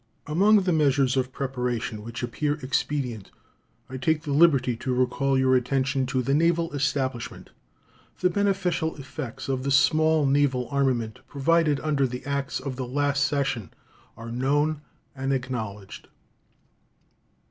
Among the measures of preparation which appear expedient, I take the liberty to recall your attention to the naval establishment. The beneficial effects of the small naval armament provided under the acts of the last session are known and acknowledged.